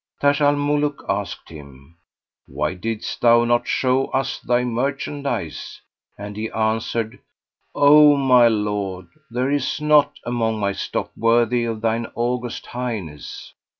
Taj al Muluk asked him, 'Why didst thou not show us thy merchandise?" end he answered, O my lord, there is naught among my stock worthy of thine august highness."